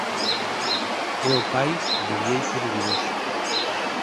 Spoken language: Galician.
É o pai de Bieito Dubidoso.